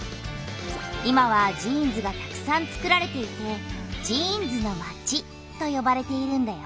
今はジーンズがたくさんつくられていて「ジーンズのまち」とよばれているんだよ。